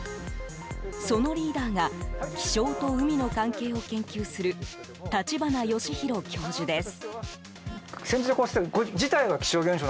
そのリーダーが気象と海の関係を研究する立花義裕教授です。